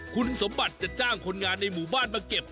คุณสมบัติจะจ้างคนงานในหมู่บ้านมาเก็บ